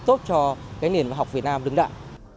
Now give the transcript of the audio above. góp tốt cho cái nền học việt nam đứng đạn